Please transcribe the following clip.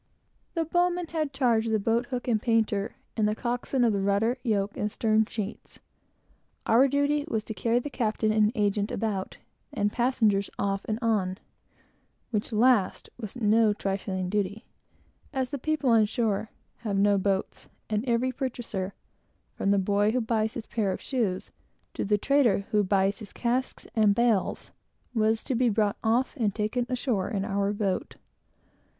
The bow man had charge of the boat hook and painter, and the coxswain of the rudder, yoke, and stern sheets. Our duty was to carry the captain and agent about, and passengers off and on; which last was no trifling duty, as the people on shore have no boats, and every purchaser, from the boy who buys his pair of shoes, to the trader who buys his casks and bales, were to be taken off and on, in our boat.